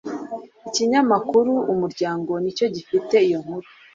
ikinyamakuru umuryango nicyo gifite iyo nkuru